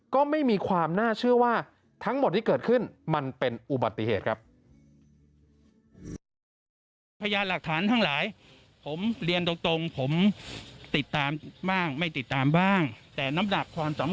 ก็ไม่มีความน่าเชื่อว่าทั้งหมดที่เกิดขึ้นมันเป็นอุบัติเหตุครับ